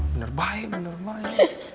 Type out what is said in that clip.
bener baik bener baik